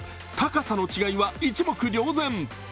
高さの違いは一目瞭然。